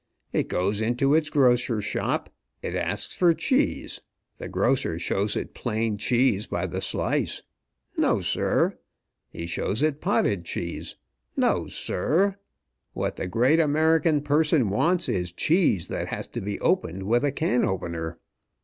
It goes into its grocer shop. It asks for cheese. The grocer shows it plain cheese by the slice. No, sir! He shows it potted cheese. No, sir! What the great American person wants is cheese that has to be opened with a can opener.